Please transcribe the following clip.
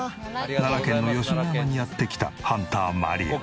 奈良県の吉野山にやって来たハンター麻莉亜。